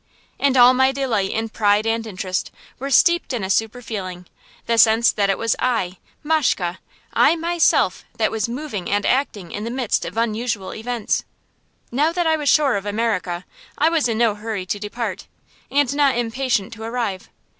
And all my delight and pride and interest were steeped in a super feeling, the sense that it was I, Mashke, I myself, that was moving and acting in the midst of unusual events. Now that I was sure of America, I was in no hurry to depart, and not impatient to arrive.